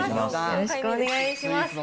よろしくお願いします。